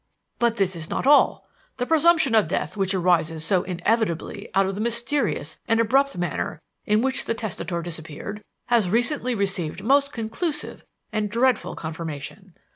"But this is not all. The presumption of death which arises so inevitably out of the mysterious and abrupt manner in which the testator disappeared has recently received most conclusive and dreadful confirmation.